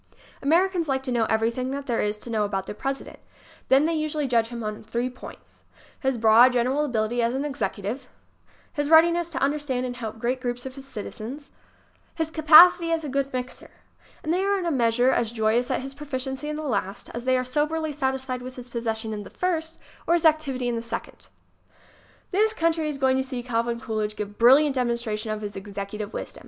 Americans like to know everything there is to know about their President. Then they usually judge him on three points: his broad, general abil ity as an executive; his readiness to understand and help great groups of citizens; his capacity as a good mixer. And they are in a measure as joyous at his proficiency in the last as they are soberly satisfied with his possession of the first or his activity in the second. This country is going to see Calvin Coolidge give brilliant demonstration of his executive wisdom.